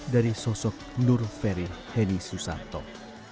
kalau pindah ke tempat hati shortenedcel